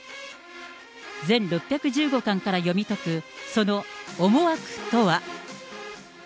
全６１５巻から読み解くその思惑とは。